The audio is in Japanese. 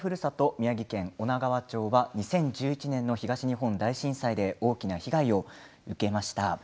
宮城県女川町は２０１１年の東日本大震災で大きな被害を受けました。